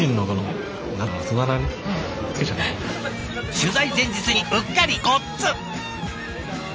取材前日にうっかりごっつん。